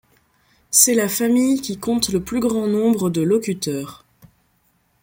C'est la famille qui compte le plus grand nombre de locuteurs.